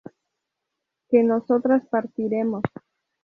¿que nosotras partiéramos?